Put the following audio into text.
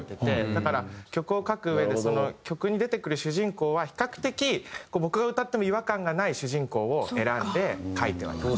だから曲を書くうえでその曲に出てくる主人公は比較的僕が歌っても違和感がない主人公を選んで書いてはいます。